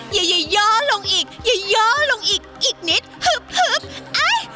อย่าย่อลงอีกอย่าย่อลงอีกอีกนิดฮึบเอ้ย